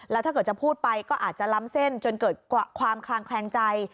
แล้วถ้าเกิดจะพูดไปก็อาจจะล้ำเส้นจนเกิดความคลางแคลงใจ